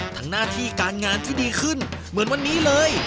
หน้าที่การงานที่ดีขึ้นเหมือนวันนี้เลย